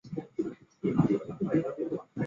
故事改编自科幻小说卫斯理系列。